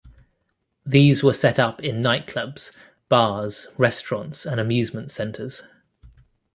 These were set up in nightclubs, bars, restaurants and amusement centers.